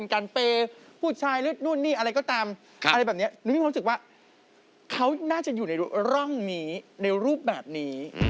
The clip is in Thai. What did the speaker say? เขาน่าจะอยู่ในร่องนี้ในรูปแบบนี้